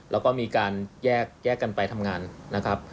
แล้วก็มีการแยกกันไปทำงานนะครับ